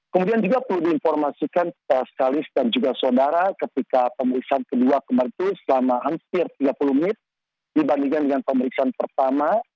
kemudian juga perlu diinformasikan sekali dan juga saudara ketika pemeriksaan kedua kemarin itu selama hampir tiga puluh menit dibandingkan dengan pemeriksaan pertama